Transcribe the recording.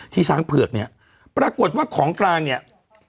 ช้างเผือกเนี่ยปรากฏว่าของกลางเนี่ย